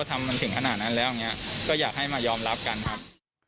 ทำมันถึงขนาดนั้นแล้วอย่างนี้ก็อยากให้มายอมรับกันครับ